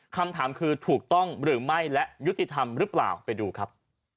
คำถามคือถูกต้องหรือไม่และยุติธรรมหรือเปล่าไปดูครับ